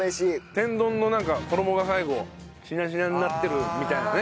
天丼のなんか衣が最後シナシナになってるみたいなね。